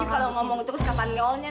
you kalau ngomong terus kapan ngerolnya nek